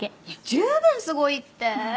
十分すごいって！